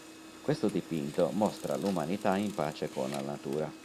Questo dipinto mostra l'umanità in pace con la natura.